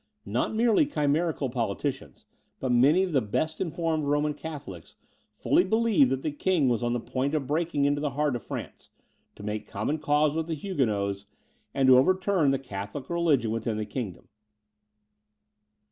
Not merely chimerical politicians, but many of the best informed Roman Catholics, fully believed that the king was on the point of breaking into the heart of France, to make common cause with the Huguenots, and to overturn the Catholic religion within the kingdom.